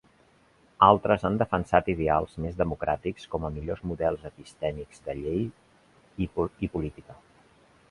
Altres han defensat ideals més democràtics com a millors models epistèmics de llei i política.